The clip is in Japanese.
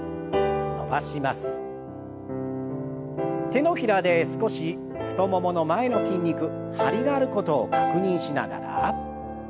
手のひらで少し太ももの前の筋肉張りがあることを確認しながら。